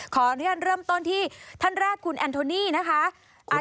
ขอเริ่มต้นที่ท่านราชคุณแอนโทนี่นะคะ